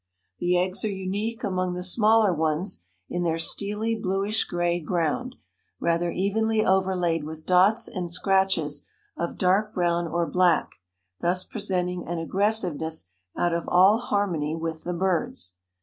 The eggs are unique among the smaller ones, in their steely bluish gray ground, rather evenly overlaid with dots and scratches of dark brown or black, thus presenting an aggressiveness out of all harmony with the birds.